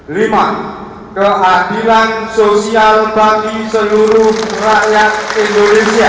lima kehadiran sosial bagi seluruh rakyat indonesia